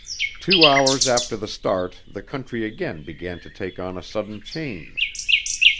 Two hours after the start the country again began taking on a sudden change.